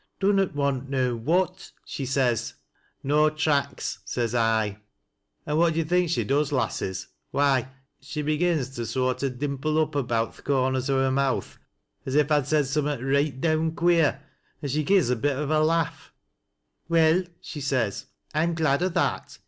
' Dunnot want no what ?' she says. ' No tracks,' says I. And what do yo' think she does, lasses? Why, she begins to soart o' dimple up about th' corners o' her mouth as if I'd said summat reight down queer, an' she gi'es a bit o' a lafE. ' Well,' she says, ' I'm glad o' that.